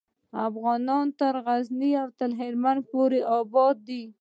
افغانان تر غزني او هیلمند پورې آباد دي.